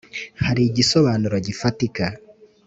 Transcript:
hari igisobanuro gifatika